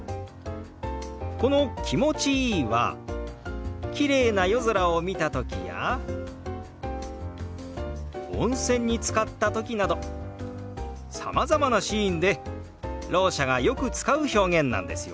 この「気持ちいい」はきれいな夜空を見た時や温泉につかった時などさまざまなシーンでろう者がよく使う表現なんですよ。